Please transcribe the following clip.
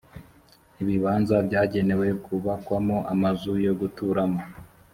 ibibanza byagenewe kubakwamo amazu yo guturamo